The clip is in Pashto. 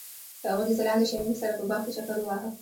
هغوی د ځلانده شمیم سره په باغ کې چکر وواهه.